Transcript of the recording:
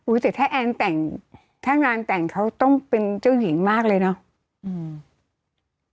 แต่ถ้าแอนแต่งถ้างานแต่งเขาต้องเป็นเจ้าหญิงมากเลยเนอะ